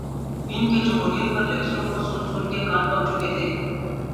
ان کے جمہوریت پہ لیکچروں کو سن سن کے کان پک چکے تھے۔